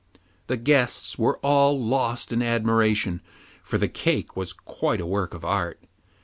The guests were all lost in admiration, for the cake was quite a work of art.